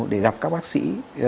để gặp các bác sĩ